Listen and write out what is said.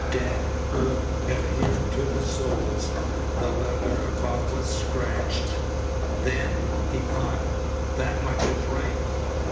Damp earth adhered to the soles. The leather above was scratched. "Then," he thought, "that much is right.